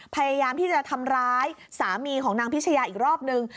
พยายามที่จะทำร้ายสามีของนางพิชยาอีกรอบนึง